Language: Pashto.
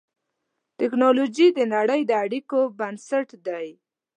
ټکنالوجي د نړۍ د اړیکو بنسټ دی.